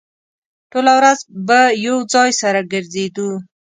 ټوله ورځ به يو ځای سره ګرځېدو.